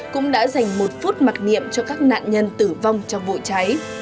cũng đã dành một phút mặc niệm cho các nạn nhân tử vong trong vụ cháy